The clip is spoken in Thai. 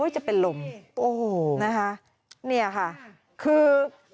จะเป็นลมโอ้โหนะคะเนี่ยค่ะคือ